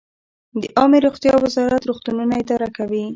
عامې روغتیا وزارت روغتونونه اداره کوي